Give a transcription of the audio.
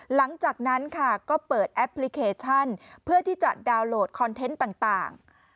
หลังจากนั้นค่ะก็เปิดแอปพลิเคชันเพื่อที่จะดาวน์โหลดคอนเทนต์ต่าง